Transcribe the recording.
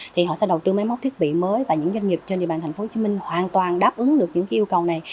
thì họ sẽ đầu tư máy móc thiết bị mới và những doanh nghiệp trên địa bàn tp hcm hoàn toàn đáp ứng được những yêu cầu này